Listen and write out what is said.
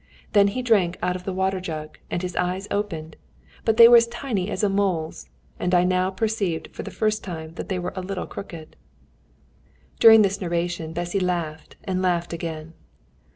Then he drank out of the water jug, and his eyes opened, but they were as tiny as a mole's, and I now perceived for the first time that they were a little crooked." During this narration Bessy laughed and laughed again.